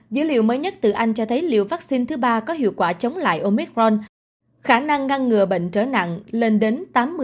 dữ liệu mới nhất từ anh cho thấy liều vaccine thứ ba có hiệu quả chống lại omicron khả năng ngăn ngừa bệnh trở nặng lên đến tám mươi